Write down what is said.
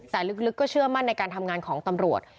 แต่ลึกก็เชื่อมั่นในการทำงานของตำรวจ